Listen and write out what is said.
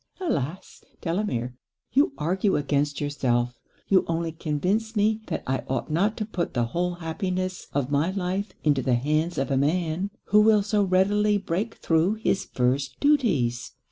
Alas! Delamere, you argue against yourself; you only convince me that I ought not to put the whole happiness of my life into the hands of a man, who will so readily break thro' his first duties.